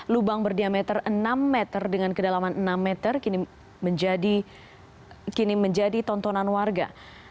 lubang berdiameter enam meter dengan kedalaman enam meter kini menjadi tontonan warga